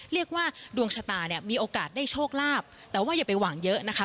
เรียกว่าดวงชะตาเนี่ยมีโอกาสได้โชคลาภแต่ว่าอย่าไปหวังเยอะนะคะ